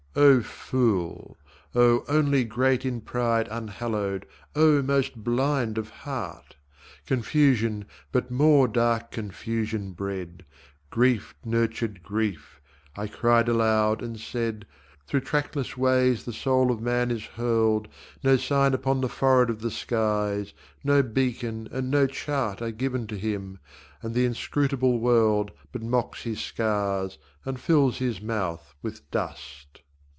O fool, O only great In pride unhallowed, O most blind of heart! Confusion but more dark confusion bred, Grief nurtured grief, I cried aloud and said, 'Through trackless ways the soul of man is hurled, No sign upon the forehead of the skies, No beacon, and no chart Are given to him, and the inscrutable world But mocks his scars and fills his mouth with dust.